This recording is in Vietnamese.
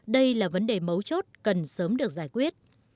đây là vấn đề mấu chốt cần sớm được giải quyết